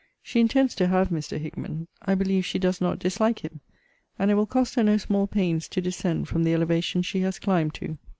She intends to have Mr. Hickman. I believe she does not dislike him. And it will cost her no small pains to descend from the elevation she has climbed to.